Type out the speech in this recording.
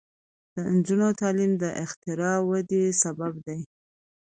د نجونو تعلیم د اختراع ودې سبب دی.